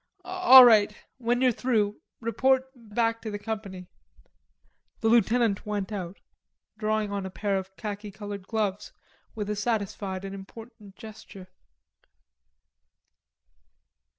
"All right; when you're through, report back to the Company." The lieutenant went out, drawing on a pair of khaki colored gloves with a satisfied and important gesture.